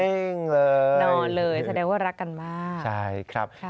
นอนเลยแสดงว่ารักกันมากใช่ครับ